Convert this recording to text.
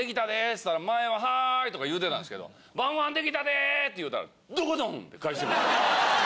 つったら前は「はい」とか言うてたんですけど「晩ご飯出来たで」って言うたらドコドン！って返しよる。